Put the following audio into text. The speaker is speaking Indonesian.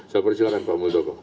saya persilakan pak muldoko